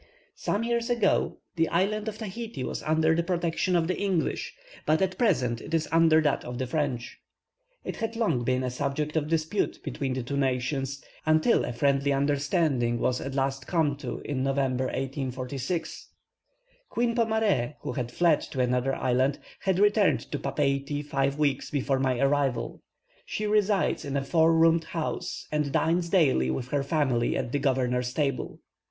Some years ago the island of Tahiti was under the protection of the English, but at present it is under that of the French. It had long been a subject of dispute between the two nations, until a friendly understanding was at last come to in November, 1846. Queen Pomare, who had fled to another island, had returned to Papeiti five weeks before my arrival. She resides in a four roomed house, and dines daily, with her family, at the governor's table.